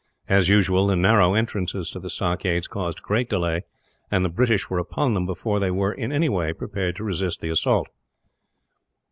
As usual, the narrow entrances to the stockades caused great delay; and the British were upon them before they were, in any way, prepared to resist the assault.